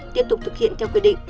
tiếp tục thực hiện theo quy định